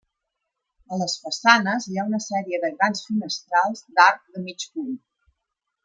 A les façanes hi ha una sèrie de grans finestrals d'arc de mig punt.